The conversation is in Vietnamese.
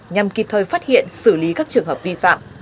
nhằm kịp thời phát hiện xử lý các trường hợp vi phạm